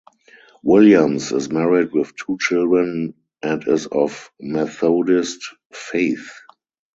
Williams is married with two children and is of Methodist faith.